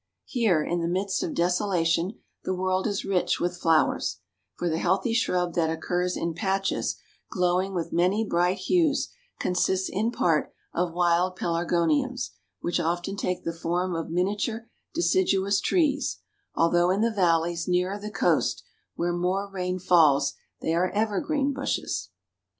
Here, in the midst of desolation, the world is rich with flowers, for the healthy shrub that occurs in patches, glowing with many bright hues, consists in part of wild Pelargoniums, which often take the form of miniature deciduous trees, although in the valleys, nearer the coast, where more rain falls, they are evergreen bushes.